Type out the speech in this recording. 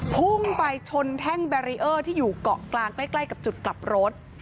พุ่งไปชนแท่งแบรีเออร์ที่อยู่เกาะกลางใกล้กับจุดกลับรถ